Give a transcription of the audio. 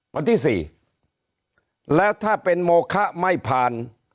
วันที่๔แล้วถ้าเป็นโมคะไม่ผ่าน